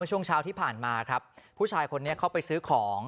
ช่วงเช้าที่ผ่านมาครับผู้ชายคนนี้เข้าไปซื้อของ